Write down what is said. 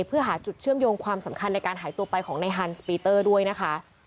เพื่อหาจุดเชื่อมโยงความสำคัญในการหายตัวไปของในฮันสปีเตอร์ด้วยนะคะ